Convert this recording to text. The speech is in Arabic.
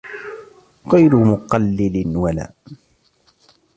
غَيْرَ مُقَلِّلٍ وَلَا